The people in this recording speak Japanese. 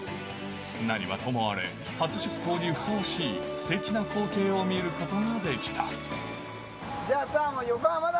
何はともあれ初出航にふさわしいステキな光景を見ることができたじゃあさ。